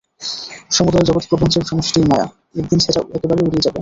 সমুদয় জগৎপ্রপঞ্চের সমষ্টিই মায়া, একদিন সেটা একেবারে উড়ে যাবে।